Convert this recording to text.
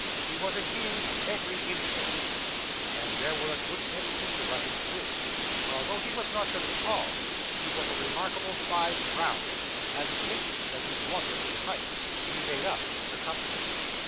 He was, indeed, every inch a king. And there were a good many inches of him, too, for although he was not very tall, he was a remarkable size round, and the inches that he wanted in height, he made up in circumference.